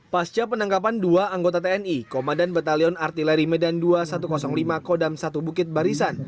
pasca penangkapan dua anggota tni komandan batalion artileri medan dua ribu satu ratus lima kodam satu bukit barisan